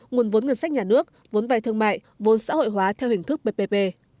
nguồn vốn ngân sách nhà nước vốn vay thương mại vốn xã hội hóa theo hình thức ppp